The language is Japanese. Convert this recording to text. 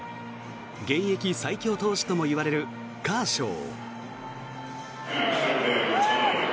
現役最強投手ともいわれるカーショー。